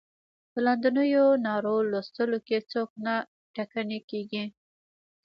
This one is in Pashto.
په لاندنیو نارو لوستلو کې څوک نه ټکنی کیږي.